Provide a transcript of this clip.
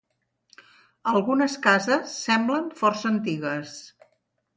Algunes cases semblen força antigues.